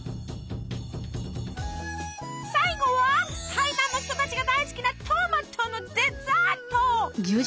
最後は台南の人たちが大好きなトマトのデザート。